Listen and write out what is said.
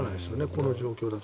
この状況だと。